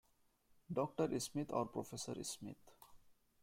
Doctor Smith or Professor Smith.